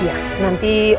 saya mau liat dear